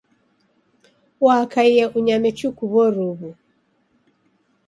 Wakaia unyame chuku w'oruwu.